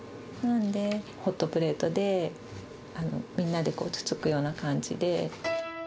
なので、ホットプレートでみんなでつつくような感じで。